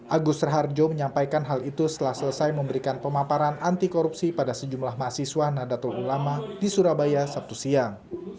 agus raharjo menyampaikan hal itu setelah selesai memberikan pemaparan anti korupsi pada sejumlah mahasiswa nadatul ulama di surabaya sabtu siang